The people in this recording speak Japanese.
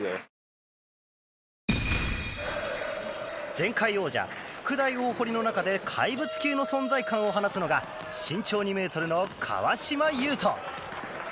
前回王者、福大大濠の中で怪物級の存在感を放つのが身長２ｍの川島悠翔。